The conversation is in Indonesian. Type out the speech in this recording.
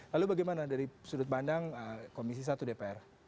lalu bagaimana dari sudut pandang komisi satu dpr